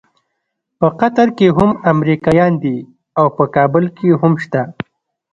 په قطر کې هم امریکایان دي او په کابل کې هم شته.